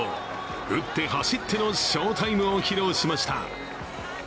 打って走っての翔タイムを披露しました。